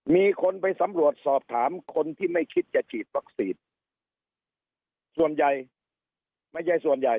มีคนไปสำรวจสอบถามคนที่ไม่คิดจะฉีดวัคซีนส่วนใหญ่ไม่ใช่ส่วนใหญ่